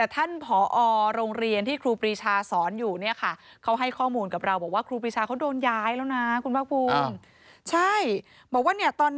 แต่ครูปรีชาไม่ได้ให้ข้อมูลอะไรไม่ยอมคุยอะไรกับซื่อ